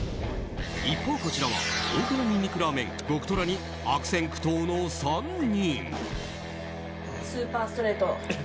一方、こちらは大辛にんにくラーメン極トラに悪戦苦闘の３人。